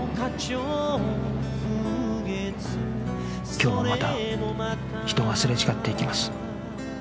今日もまた人がすれ違っていきます